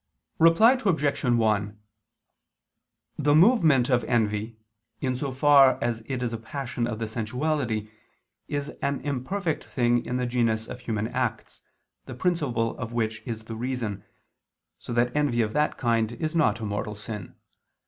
Reply Obj. 1: The movement of envy in so far as it is a passion of the sensuality, is an imperfect thing in the genus of human acts, the principle of which is the reason, so that envy of that kind is not a mortal sin.